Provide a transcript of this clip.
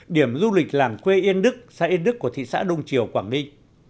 điểm du lịch làng quê yên đức xã yên đức của thị xã đông triều quảng ninh